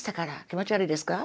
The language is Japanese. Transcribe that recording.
気持ち悪いですか？